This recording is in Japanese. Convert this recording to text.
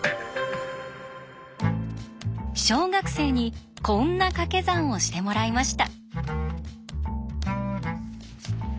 小学生にこんなかけ算をしてもらいました。